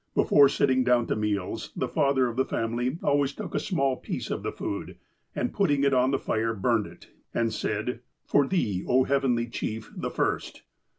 Before sitting down to meals, the father of the family always took a small piece of the food, and, putting it on the fire, burned it, and said :"' For thee, oh. Heavenly Chief, the first.'